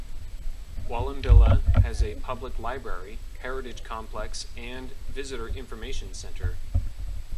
Wallambilla has a public library, heritage complex and visitor information centre.